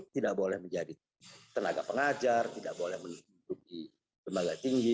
tidak boleh menjadi tenaga pengajar tidak boleh menduduki tembaga tinggi